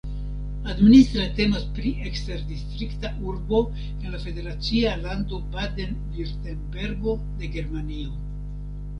Administre temas pri eksterdistrikta urbo en la federacia lando Baden-Virtembergo de Germanio.